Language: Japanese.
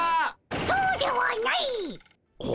そうではないっ！